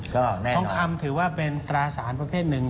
ก็ทองคำถือว่าเป็นตราสารประเภทหนึ่ง